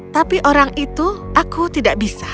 tapi orang itu aku tidak bisa